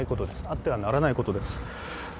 あってはならないことです。